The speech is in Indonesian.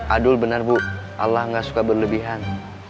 adul benar bu allah gak suka berlebihan